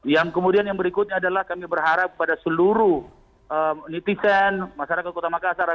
yang kemudian yang berikutnya adalah kami berharap pada seluruh netizen masyarakat kota makassar